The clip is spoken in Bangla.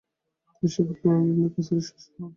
তিনি সম্পর্কে ইমাম ইবনে কাসীরের শ্বশুর হন।